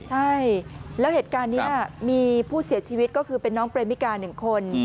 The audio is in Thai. ใช่แล้วเหตุการณ์นี้มีผู้เสียชีวิตก็คือเป็นน้องเปรมิกา๑คน